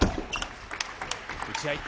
打ち合い。